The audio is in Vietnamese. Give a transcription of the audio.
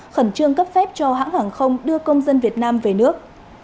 khẩn trương cấp phép cho hãng hàng không đưa công dân việt nam về nước